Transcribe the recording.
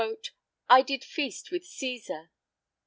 "I did feast with Cæsar."